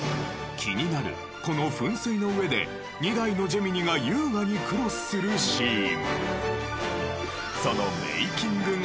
気になるこの噴水の上で２台のジェミニが優雅にクロスするシーン。